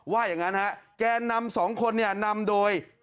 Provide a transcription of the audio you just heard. ว่าอย่างนั้นฮะแกนนำสองคนเนี่ยนำโดย